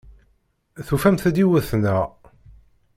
Tufamt-d yiwet, naɣ?